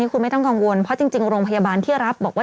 คุณไม่ต้องกังวลเพราะจริงโรงพยาบาลที่รับบอกว่า